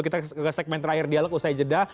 jangan lupa like comment share dialog usai jeda